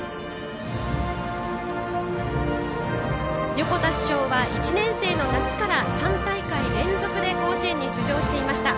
横田主将は１年生の夏から３大会連続で甲子園に出場していました。